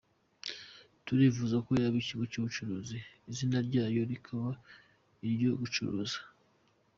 Turifuza ko yaba ikigo cy’ubucuruzi, izina ryayo rikaba iryo gucuruza.